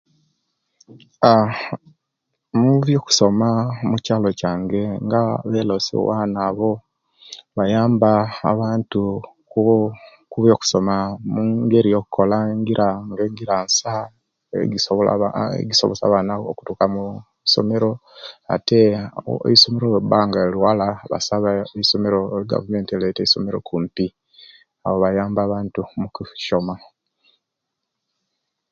Aah omubyokusoma mukyalo kyange nga aba elosi abo bayamba abantu okubyo okubyokusoma omungeri yo'kukola engira nga engira nsa ebisobola ejisobozesya abaana bo okutuka omwisomero ate eisomera owelibanga lili wala basaba eisomero egavumenti elete eisomero kumpi awo bayamba abantu okusyoma